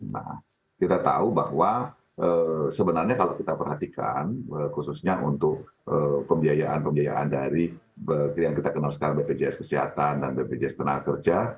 nah kita tahu bahwa sebenarnya kalau kita perhatikan khususnya untuk pembiayaan pembiayaan dari yang kita kenal sekarang bpjs kesehatan dan bpjs tenaga kerja